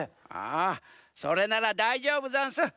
あそれならだいじょうぶざんす。